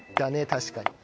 確かに。